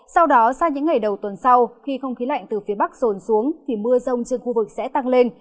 sau đó sang những ngày đầu tuần sau khi không khí lạnh từ phía bắc rồn xuống thì mưa rông trên khu vực sẽ tăng lên